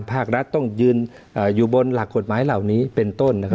ภาครัฐต้องยืนอยู่บนหลักกฎหมายเหล่านี้เป็นต้น